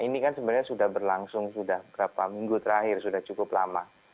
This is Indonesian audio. ini kan sebenarnya sudah berlangsung sudah beberapa minggu terakhir sudah cukup lama